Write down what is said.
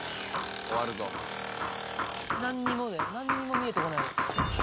何にも見えてこないよ。